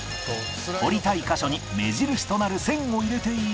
掘りたい箇所に目印となる線を入れていき